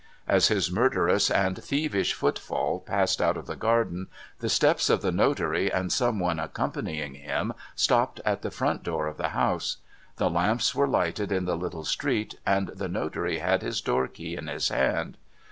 As his murderous and thievish footfall passed out of the garden, the steps of the notary and some one accompanying him stopped at the front door of the house. The lamps were lighted in the little street, and the notary had his door key in his hand.